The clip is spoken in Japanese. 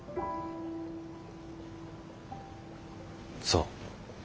そう。